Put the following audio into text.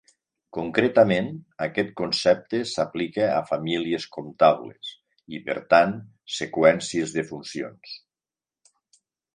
Concretament, aquest concepte s'aplica a famílies comptables, i, per tant, seqüències de funcions.